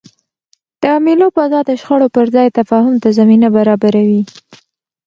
د مېلو فضا د شخړو پر ځای تفاهم ته زمینه برابروي.